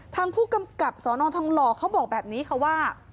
ทางผู้กำกับสนทองหล่อเขาบอกแบบนี้ค่ะว่า